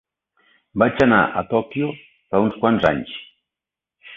Vaig anar a Tòquio fa uns quants anys.